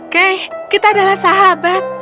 kay kita adalah sahabat